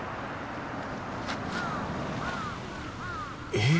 えっ？